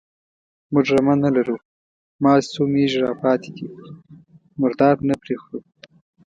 _موږ رمه نه لرو، مازې څو مېږې راپاتې دي، مردار نه پرې خورو.